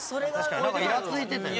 なんかイラついてたよね。